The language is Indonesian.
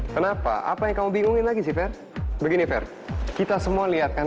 kenapa apa yang kamu bingungin lagi sih fair begini fair kita semua lihat kan